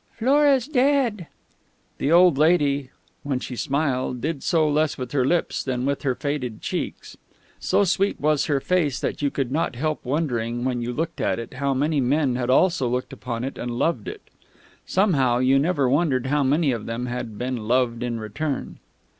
"Flora's dead!" The old lady, when she smiled, did so less with her lips than with her faded cheeks. So sweet was her face that you could not help wondering, when you looked on it, how many men had also looked upon it and loved it. Somehow, you never wondered how many of them had been loved in return.